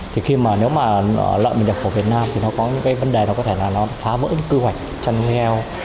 thì khi mà nếu mà lợn mình nhập khẩu việt nam thì nó có những cái vấn đề nó có thể là nó phá vỡ những quy hoạch chăn nuôi heo